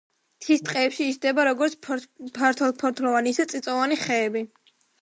მთის ტყეებში იზრდება როგორც ფართოფოთლოვანი, ისე წიწვოვანი ხეები.